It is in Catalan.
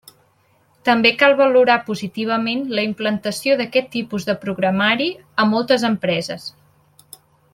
També cal valorar positivament la implantació d'aquest tipus de programari a moltes empreses.